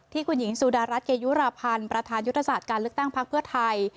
ที่คุณหญิงสุดารัฐเกยุราพันธ์ประธานยุทธศาสตร์การเลือกตั้งพักเพื่อไทย